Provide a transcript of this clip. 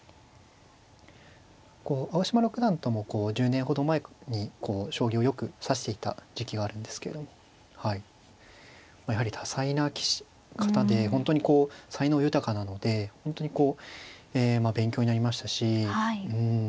青嶋六段とも１０年ほど前に将棋をよく指していた時期があるんですけどもはいやはり多才な方で本当にこう才能豊かなので本当にこう勉強になりましたし。